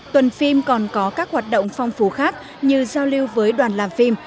tuần phim còn có các hoạt động phong phú khác như giao lưu với đoàn làm phim